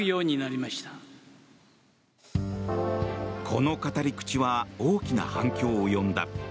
この語り口は大きな反響を呼んだ。